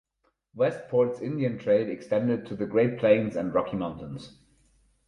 Westport's Indian trade extended to the Great Plains and Rocky Mountains.